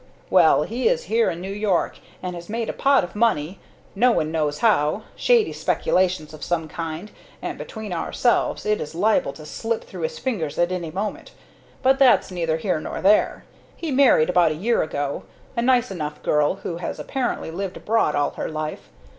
"Well, he is here in New York, and has made a pot of money no one knows how. Shady speculations of some kind, and, between ourselves, it is liable to slip through his fingers at any moment. But that's neither here nor there. He married, about a year ago, a nice enough girl, who has apparently lived abroad all her life.